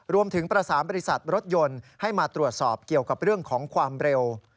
รวมถึงประสานบริษัทรถยนต์ให้มาตรวจสอบเกี่ยวกับเรื่องของความเร็ว